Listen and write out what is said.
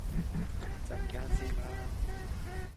陣間先啦